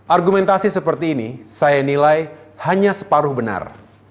argumentasi seperti ini saya nilai hanya separuh benar